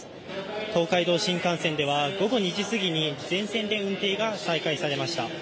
東海道新幹線では午後２時過ぎに全線で運転が再開されました。